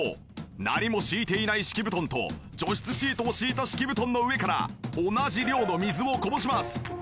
何も敷いていない敷き布団と除湿シートを敷いた敷き布団の上から同じ量の水をこぼします。